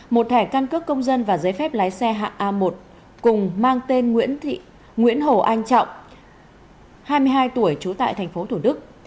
một thẻ căn cước công dân và giấy phép lái xe hạng a một cùng mang tên nguyễn hồ anh trọng hai mươi hai tuổi trú tại tp thủ đức